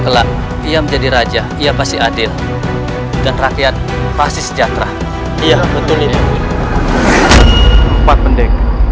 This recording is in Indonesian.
kelak ia menjadi raja ia pasti adil dan rakyat pasti sejahtera iya betul ini empat pendek